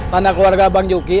tanda keluarga bang joki